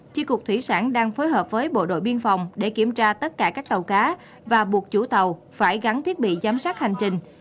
chi cục thủy sản đang phối hợp với bộ đội biên phòng để kiểm tra tất cả các tàu cá và buộc chủ tàu phải gắn thiết bị giám sát hành trình